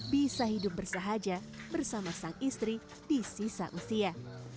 bisa hidup bersahaja bersama sang istri di sisa usia